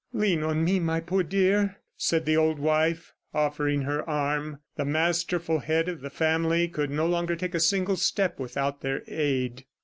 "Lean on me, my poor dear," said the old wife, offering her arm. The masterful head of the family could no longer take a single step without their aid.